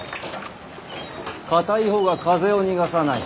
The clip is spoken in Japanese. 硬い方が風を逃がさない。